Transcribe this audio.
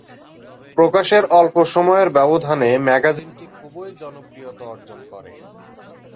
প্রকাশের অল্প সময়ের ব্যবধানে ম্যাগাজিনটি খুবই জনপ্রিয়তা অর্জন করে।